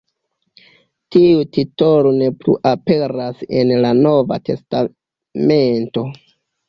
Tiu titolo ne plu aperas en la Nova Testamento.